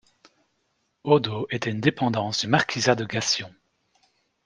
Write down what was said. Audaux était une dépendance du marquisat de Gassion.